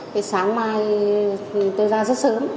thì sáng mai tôi ra rất sớm